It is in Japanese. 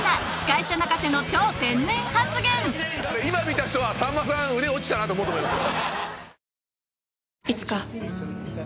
今見た人はさんまさん腕落ちたなと思うと思いますよ。